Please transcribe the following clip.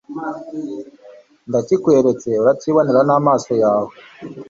ndakikweretse, uracyibonera n'amaso yawe